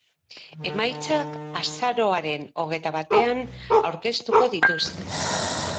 Emaitzak azaroaren hogeita batean aurkeztuko dituzte.